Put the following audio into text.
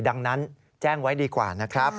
ดังนั้นแจ้งไว้ดีกว่านะครับ